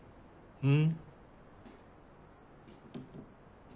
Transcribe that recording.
うん。